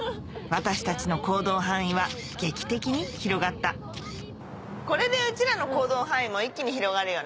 私たちの行動範囲は劇的に広がったこれでうちらの行動範囲も一気に広がるよね。